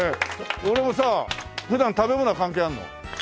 これもさ普段食べ物は関係あるの？